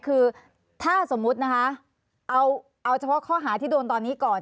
คือถ้าสมมุตินะคะเอาเฉพาะข้อหาที่โดนตอนนี้ก่อน